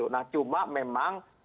nah cuma memang